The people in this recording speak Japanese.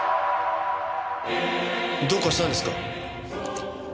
どうかしたんですか？